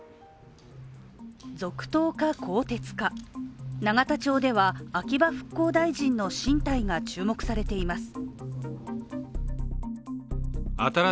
続投か、更迭か永田町では、秋葉復興大臣の進退が注目されています。